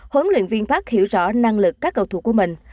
huấn luyện viên park hiểu rõ năng lực các cầu thủ của mình